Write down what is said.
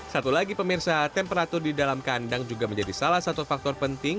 satu lagi pemirsa temperatur di dalam kandang juga menjadi salah satu faktor penting